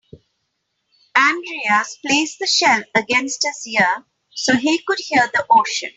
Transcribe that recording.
Andreas placed the shell against his ear so he could hear the ocean.